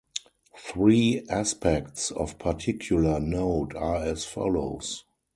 Three aspects of particular note are as follows.